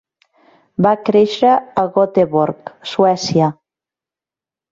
Va créixer a Gothenburg, Suècia.